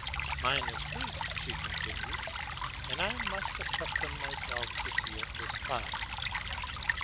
Mine is free,'' she con tinued, ''and I must accustom myself to see it despised.